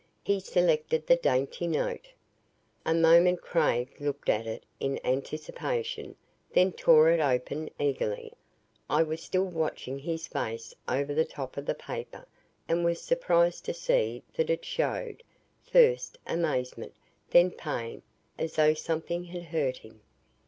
He selected the dainty note. A moment Craig looked at it in anticipation, then tore it open eagerly. I was still watching his face over the top of the paper and was surprised to see that it showed, first, amazement, then pain, as though something had hurt him.